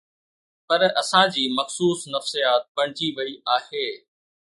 پر اسان جي مخصوص نفسيات بڻجي وئي آهي.